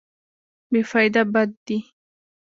بې فایده بد دی.